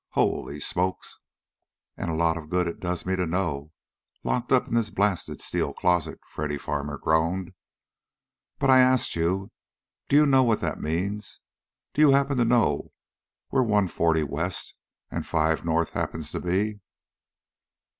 Holy smokes!" "And a fine lot of good it does me to know, locked up in this blasted steel closet!" Freddy Farmer groaned. "But I asked you, do you know what that means? Do you happen to know where One Forty West and Five North happens to be?"